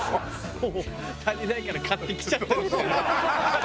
もう足りないから買ってきちゃったりしてね。